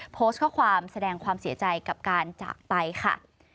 โพสต์ข้อความแสดงความเสียใจกับการจากไปค่ะ